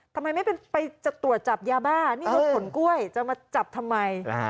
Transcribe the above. ทำไมไม่ไปจะตรวจจับยาบ้านี่รถขนกล้วยจะมาจับทำไม